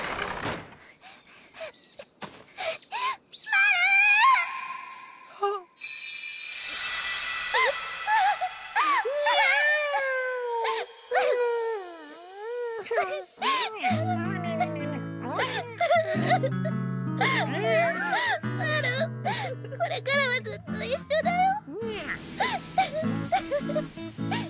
マルこれからはずっと一緒だよ。